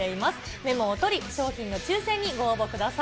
メモを取り、賞品の抽せんにご応募ください。